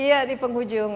iya di penghujung